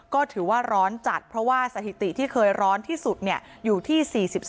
ก็ถือว่าร้อนจัดเพราะว่าสถิติที่เคยร้อนที่สุดอยู่ที่๔๔